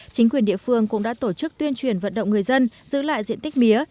chính quyền địa phương cũng đã tổ chức tuyên truyền vận động người dân giữ lại diện tích mía